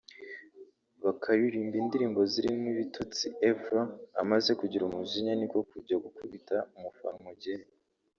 bakaririmba indirimbo zirimo ibitutsi Evra amaze kugira umujinya niko kujya gukubita umufana umugeri